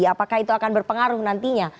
apakah itu akan berpengaruh nantinya